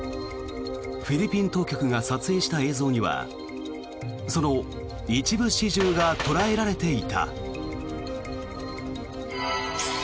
フィリピン当局が撮影した映像にはその一部始終が捉えられていた。